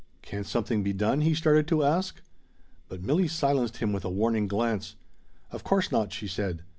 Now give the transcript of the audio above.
"Can't something be done?" he started to ask. But Milli silenced him with a warning glance. "Of course not!" she said.